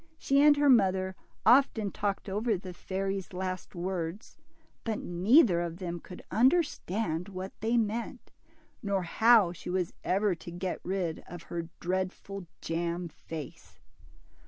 She and her mother often talked over the fairy's last words, but neither of them could under stand what they meant, nor how she was ever to get rid of her dreadful jam face.